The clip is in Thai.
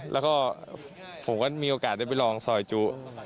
แล้วก็ผมก็มีโอกาสได้ไปลองซอยจุ